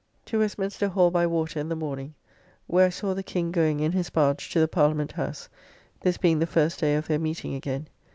To Westminster Hall by water in the morning, where I saw the King going in his barge to the Parliament House; this being the first day of their meeting again.